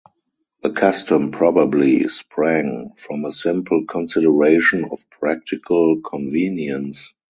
The custom probably sprang from a simple consideration of practical convenience.